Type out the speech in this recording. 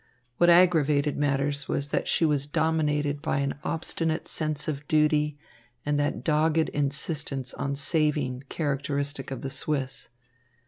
What aggravated matters was that she was dominated by an obstinate sense of duty and that dogged insistence on saving characteristic of the Swiss.